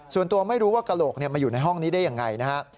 ส่วนตัวไม่รู้ว่ากระโหลกมาอยู่ในห้องนี้ได้ยังไงนะฮะ